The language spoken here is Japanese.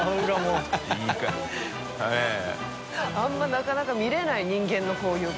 淵劵灰蹈辧次あんまりなかなか見れない人間のこういう顔。